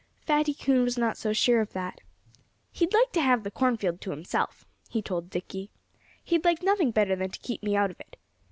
Fatty Coon was not so sure of that. "He'd like to have the cornfield to himself," he told Dickie. "He'd like nothing better than to keep me out of it.